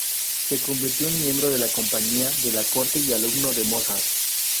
Se convirtió en miembro de la compañía de la corte y alumno de Mozart.